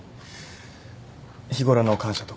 日頃の感謝とか。